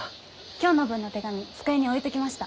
今日の分の手紙机に置いときました。